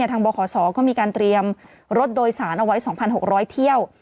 บขศก็มีการเตรียมรถโดยสารเอาไว้๒๖๐๐เที่ยว